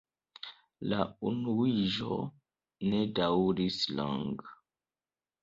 La unuiĝo ne daŭris longe.